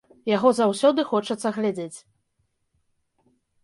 Яго заўсёды хочацца глядзець.